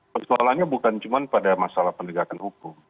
persoalannya bukan cuma pada masalah penegakan hukum